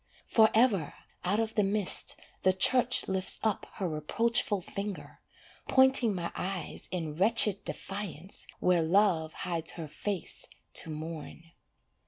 Forever, out of the mist the church lifts up her reproachful finger, Pointing my eyes in wretched defiance where love hides her face to mourn.